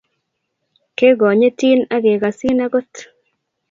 kegonyitin ak kegasin agot